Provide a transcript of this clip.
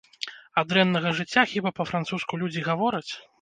Ад дрэннага жыцця хіба па-французску людзі гавораць?